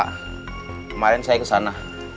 kemarin saya kesana